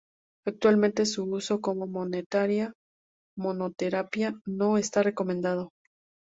Actualmente su uso como monoterapia no está recomendado.